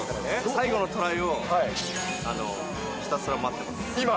最後のトライをひたすら待っ今？